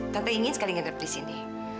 tante ingin sekali ngendap di sini